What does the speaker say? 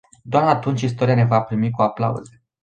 Doar atunci istoria ne va primi cu aplauze.